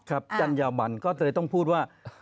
จัญญาบันก็เลยต้องพูดว่า